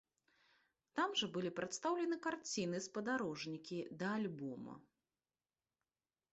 Там жа былі прадстаўлены карціны-спадарожнікі да альбома.